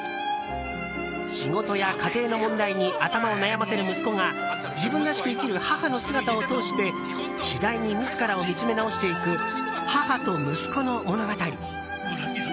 仕事や家庭の問題に頭を悩ませる息子が自分らしく生きる母の姿を通して次第に自らを見つめ直していく母と息子の物語。